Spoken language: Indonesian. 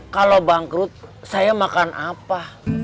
kalau bangkrut saya makan apa